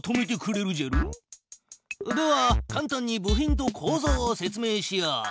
ではかん単に部品とこうぞうを説明しよう。